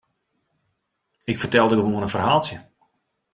Ik fertelde gewoan in ferhaaltsje.